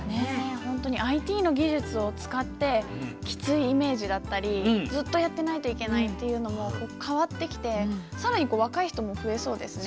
ほんとにＩＴの技術を使ってきついイメージだったりずっとやってないといけないっていうのも変わってきて更に若い人も増えそうですね。